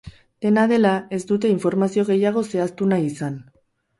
Dena dela, ez dute informazio gehiago zehaztu nahi izan.